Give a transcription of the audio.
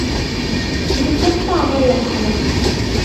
Report তো আমার লেখা না।